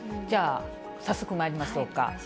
じゃあ、早速まいりましょうか。